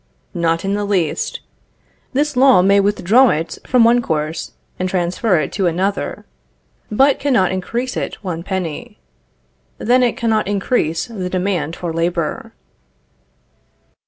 Not in the least. This law may withdraw it from one course, and transfer it to another; but cannot increase it one penny. Then it cannot increase the demand for labor.